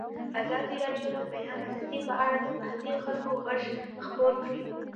ازادي راډیو د د بیان آزادي په اړه د محلي خلکو غږ خپور کړی.